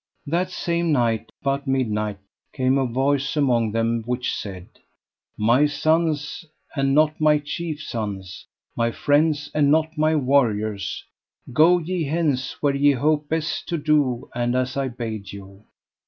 That same night about midnight came a voice among them which said: My sons and not my chief sons, my friends and not my warriors, go ye hence where ye hope best to do and as I bade you.